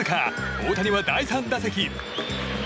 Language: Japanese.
大谷は第３打席。